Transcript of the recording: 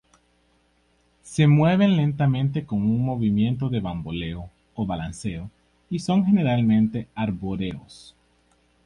Se mueven lentamente con un movimiento de bamboleo o balanceo y son generalmente arbóreos.